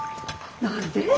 何で？